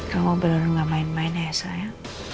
kamu benar benar gak main main ya elsa ya